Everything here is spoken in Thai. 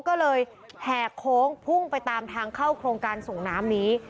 ก็เลยแหกโค้งพุ่งไปตามทางเข้าโครงการส่งน้ำนี้